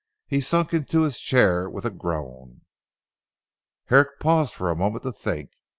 He sunk into his chair with a groan. Herrick paused for a moment to think.